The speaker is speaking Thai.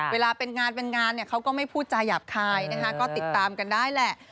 เวลาเป็นงานเขาก็ไม่พูดจาหยาบคายติดตามกันได้แหละ